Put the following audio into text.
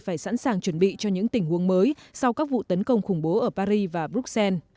phải sẵn sàng chuẩn bị cho những tình huống mới sau các vụ tấn công khủng bố ở paris và bruxelles